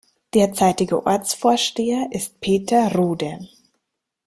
Derzeitiger Ortsvorsteher ist Peter Rode.